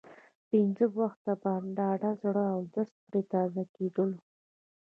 پنځه وخته به په ډاډه زړه اودس پرې تازه کېدلو.